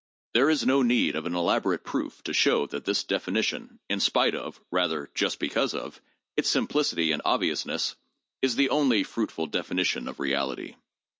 There is no need of an elaborate proof to show that this defini tion, in spite of— rather, just because of— its simplicity and obvious ness, is the only fruitful definition of reality.